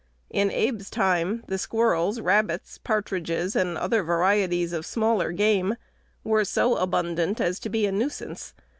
In Abe's time, the squirrels, rabbits, partridges, and other varieties of smaller game, were so abundant as to be a nuisance.